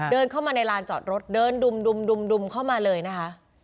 เดินเข้ามาในลานจอดรถเดินดุมเข้ามาเลยนะคะ